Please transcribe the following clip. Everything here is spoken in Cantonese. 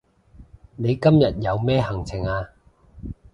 你今日有咩行程啊